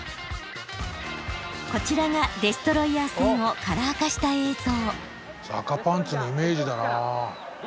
こちらがデストロイヤー戦をカラー化した映像。